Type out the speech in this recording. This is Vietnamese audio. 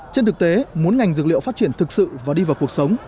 trên thực tế muốn ngành dược liệu phát triển thực sự và đi vào cuộc sống